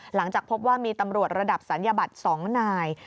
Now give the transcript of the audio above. หลังจากพบว่ามีตำรวจระดับศัลยบัตร๒นาย